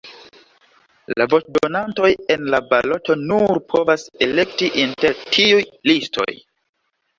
La voĉdonantoj en la baloto nur povas elekti inter tiuj listoj.